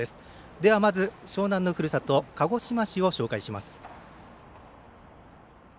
ではまず、樟南のふるさと鹿児島市を紹介します。